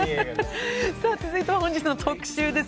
続いては本日の特集です。